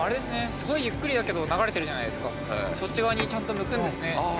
すごいゆっくりだけど流れてるじゃないですかそっち側にちゃんと向くんですね